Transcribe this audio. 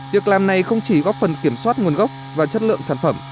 việc làm này không chỉ góp phần kiểm soát nguồn gốc và chất lượng sản phẩm